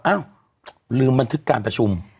อ้าวลืมบันทึกการประชุม